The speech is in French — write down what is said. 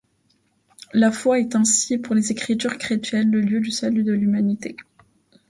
La foi est ainsi, pour les Écritures chrétiennes, le lieu du salut de l'humanité.